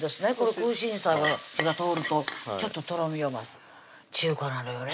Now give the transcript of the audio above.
空心菜は火が通るとちょっととろみを増す中華なのよね